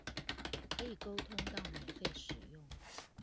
可以溝通到免費使用